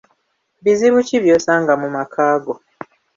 Bizibu ki by'osanga mu makaago?